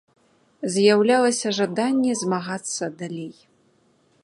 З'яўлялася жаданне змагацца далей.